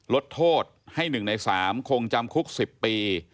ลดโทษให้๑ใน๓คงจำคุก๑๐ปี